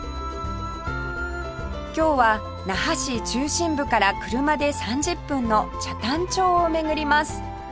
今日は那覇市中心部から車で３０分の北谷町を巡ります